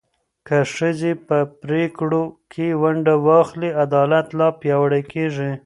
که ښځې په پرېکړو کې ونډه واخلي، عدالت لا پیاوړی کېږي.